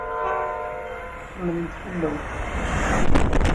Kemmlemt fellu.